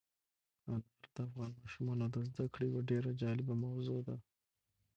انار د افغان ماشومانو د زده کړې یوه ډېره جالبه موضوع ده.